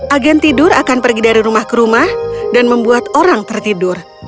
agen tidur akan pergi dari rumah ke rumah dan membuat orang tertidur